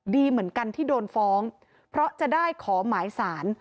ดีเหมือนกันที่โดนฟ้องเพราะจะได้ขอหมายสาร